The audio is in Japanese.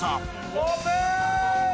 オープン！